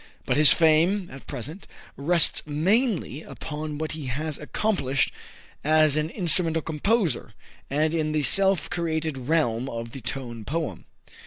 But his fame, at present, rests mainly upon what he has accomplished as an instrumental composer, and in the self created realm of the Tone Poem.